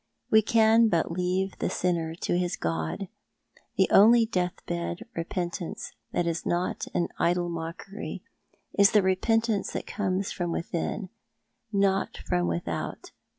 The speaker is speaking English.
" We can but leave the sinner to his Got!. The only death bed repentance that is not an idle mockery is the repentance that comes from within — not from without.